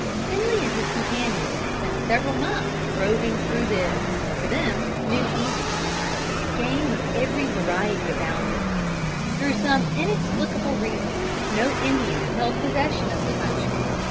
Finley and his companions spent several months roving through this, to them, new Eden. Game of every variety abounded. Through some inexplicable reason, no Indians held possession of the country.